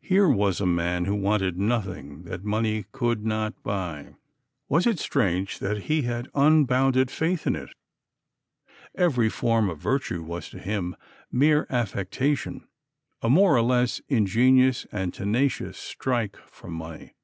Here was a man who wanted nothing that money could not buy: was it strange that he had unbounded faith in it? Every form of virtue was to him mere affectation, a more or less ingenious and tenacious "strike" for money.